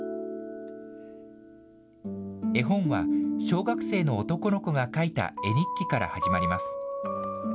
絵本は、小学生の男の子が書いた絵日記から始まります。